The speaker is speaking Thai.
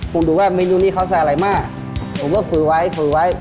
คุณดูว่าเมนูนี้เขาใส่อะไรมากผมก็ฟือไว้ฟือไว้